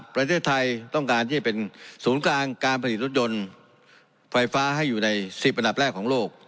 ประเทศไทยต้องการที่จะเป็นศูนย์กลางการผลิตรถยนต์ไฟฟ้าให้อยู่ใน๑๐อันดับแรกของโลก